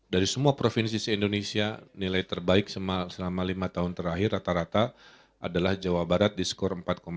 dari semua provinsi di indonesia nilai terbaik selama lima tahun terakhir rata rata adalah jawa barat di skor empat satu